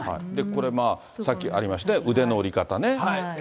これ、さっきありましたね、腕の折り方ね。